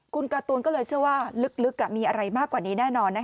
คุณการ์ตูนก็เลยเชื่อว่าลึกมีอะไรมากกว่านี้แน่นอน